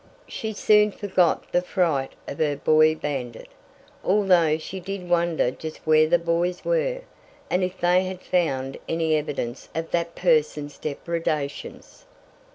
She soon forgot the fright of her boy bandit, although she did wonder just where the boys were, and if they had found any evidence of that person's depradations.